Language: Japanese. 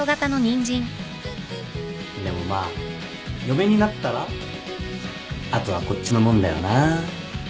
でもまあ嫁になったらあとはこっちのもんだよなあ。